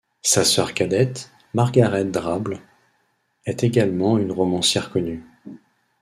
Sa sœur cadette, Margaret Drabble, est également une romancière connue.